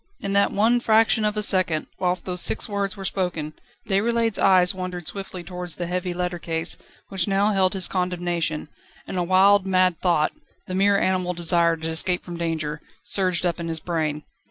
In that one fraction of a second, whilst those six words were spoken, Déroulède's eyes wandered swiftly towards the heavy letter case, which now held his condemnation, and a wild, mad thought the mere animal desire to escape from danger surged up in his brain.